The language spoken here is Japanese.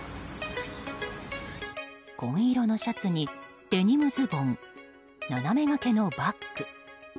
紺色のシャツにデニムズボン斜め掛けのバッグ。